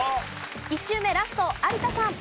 １周目ラスト有田さん。